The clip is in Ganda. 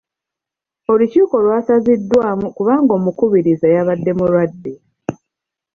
Olukiiko lwasazidwamu kubanga omukubiriza yabadde mulwadde.